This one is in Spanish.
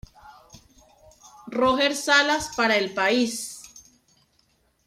Roger Salas para el El País.